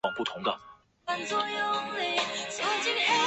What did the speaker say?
这项改革从试点进入了全面实行的新阶段。